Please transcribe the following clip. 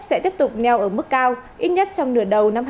sẽ tiếp tục nheo ở mức cao ít nhất trong nửa đầu năm hai nghìn hai mươi hai